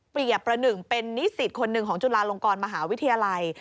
ประหนึ่งเป็นนิสิตคนหนึ่งของจุฬาลงกรมหาวิทยาลัย